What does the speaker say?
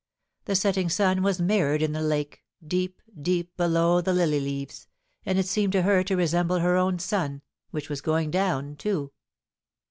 The setting sun was mirrored in the 'AT THE CENTRE OF PEACE: 299 lake, deep, deep below the lily leaves, and it seemed to her to resemble her own sun, which was going down too.